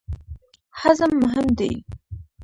هضم مهم دی.